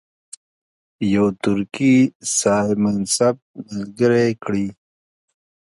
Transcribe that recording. یو ترکي صاحب منصب ملګری کړي.